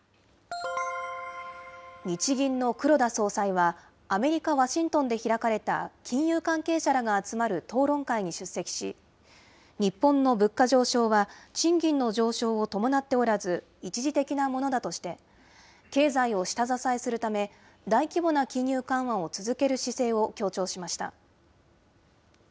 日銀の黒田総裁は、アメリカ・ワシントンで開かれた金融関係者らが集まる討論会に出席し、日本の物価上昇は賃金の上昇を伴っておらず、一時的なものだとして、経済を下支えするため、大規模な金融緩和を続ける姿勢を強調しました。